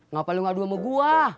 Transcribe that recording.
ngapain lu ngadu sama gua